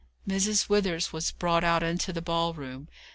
Mrs. Withers was brought out into the ball room.